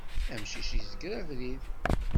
Amcic yezger abrid.